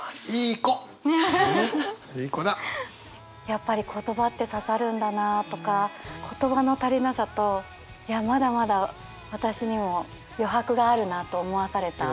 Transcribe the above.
やっぱり言葉って刺さるんだなとか言葉の足りなさといやまだまだ私にも余白があるなと思わされた。